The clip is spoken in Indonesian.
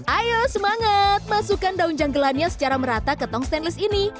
ayo semangat masukkan daun janggelannya secara merata ke tong stainless ini